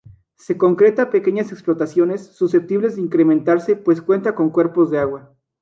Se concreta a pequeñas explotaciones, susceptibles de incrementarse pues cuenta con cuerpos de agua.